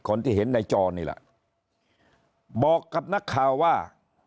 คนที่เห็นในจอนี่แหละบอกกับนักข่าวว่า